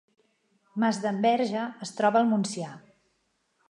Masdenverge es troba al Montsià